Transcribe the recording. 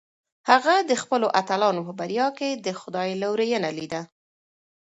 هغه د خپلو اتلانو په بریا کې د خدای لورینه لیده.